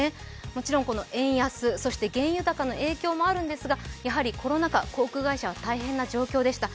もちろん円安、そして、原油高の影響もあるんですがやはりコロナ禍、航空会社は大変な状況でした。